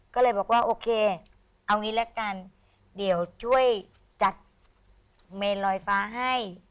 ก็เลยบอกว่าโอเคเอางี้ละกันเดี๋ยวช่วยจัดเมนลอยฟ้าให้